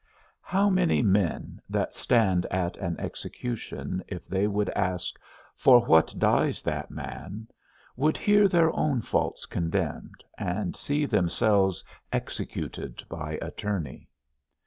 How many men that stand at an execution, if they would ask, For what dies that man? should hear their own faults condemned, and see themselves executed by attorney?